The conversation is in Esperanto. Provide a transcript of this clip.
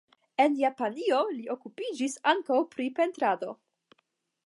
En Japanio li okupiĝis ankaŭ pri pentrado.